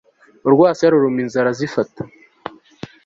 Urwasaya ruruma inzara zifata